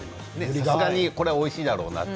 さすがにこれはおいしいんだろうなって